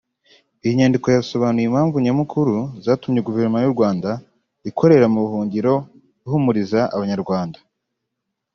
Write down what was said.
iyi nyandiko yasobanuye impamvu nyamukuru zatumye Guverinoma y’u Rwanda ikorera mu buhungiro ihumuriza abanyarwanda